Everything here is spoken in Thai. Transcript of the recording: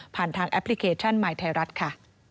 ผ่านทางแอปพลิเคชันหมายไทยรัฐค่ะ